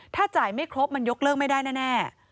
ถ้าจ่ายไม่ครบมันยกเลิกไม่ได้แน่